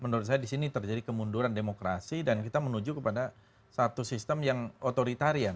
menurut saya di sini terjadi kemunduran demokrasi dan kita menuju kepada satu sistem yang otoritarian